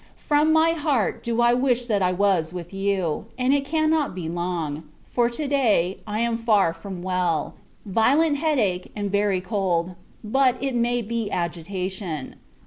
From my heart, do I wish that I was with you: and it cannot be long; for, to day, I am far from well; violent head ache, and very cold; but, it may be agitation.